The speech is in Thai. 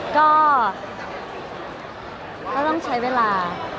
ก็ต้องใช้เวลา